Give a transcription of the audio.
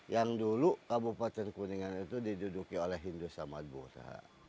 yang dulu kabupaten kuningan itu diduduki oleh hindu samadwosa